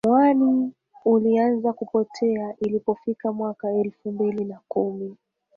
Mwani ulianza kupotea ilipofika mwaka elfu mbili na kumi